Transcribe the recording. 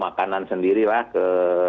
makanan sendiri lah ke